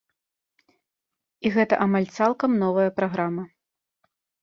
І гэта амаль цалкам новая праграма.